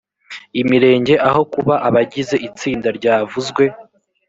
imirenge aho kuba abagize itsinda ryavuzwe